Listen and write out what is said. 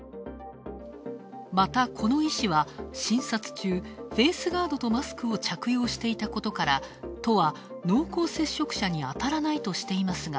また、この医師は診察中フェースガードとマスクを着用していたことから都は濃厚接触者に当たらないとしていますが